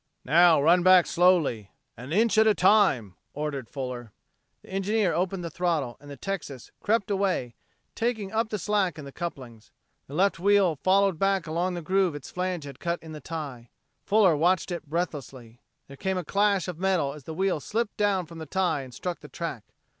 "Now run back slowly an inch at a time," ordered Fuller. The engineer opened the throttle, and the Texas crept away, taking up the slack in the couplings. The left wheel followed back along the groove its flange had cut in the tie. Fuller watched it breathlessly. There came a clash of metal as the wheel slipped down from the tie and struck the track.